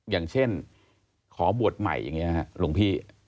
อย่างเช่นขอบวชใหม่อย่างนี้หลวงพี่